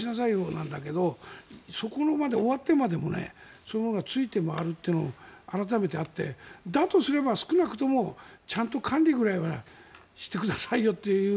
なんだけどそこまで終わってまでもそのようなのがついて回るというのが改めてあってだとすれば少なくともちゃんと管理くらいはしてくださいよという。